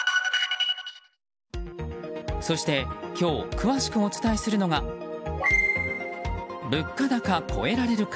そして今日詳しくお伝えするのが物価高、超えられるか？